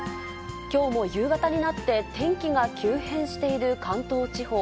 きょうも夕方になって天気が急変している関東地方。